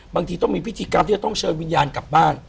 บางทีต้องมีพิธีกรรมที่จะต้องเชิญวิญญาณกลับบ้าน